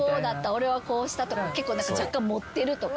「俺はこうした」とか結構若干盛ってるとか。